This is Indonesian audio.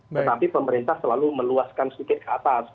tetapi pemerintah selalu meluaskan sedikit ke atas